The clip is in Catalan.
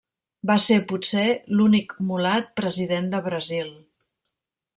Va ser, potser, l'únic mulat president de Brasil.